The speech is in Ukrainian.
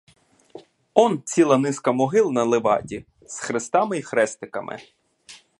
Он ціла низка могил на леваді, з хрестами й хрестиками.